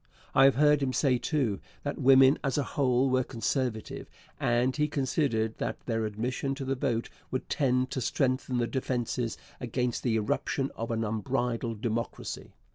I have heard him say, too, that women, as a whole, were conservative, and he considered that their admission to the vote would tend to strengthen the defences against the irruption of an unbridled democracy.